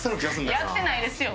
やってないですよ。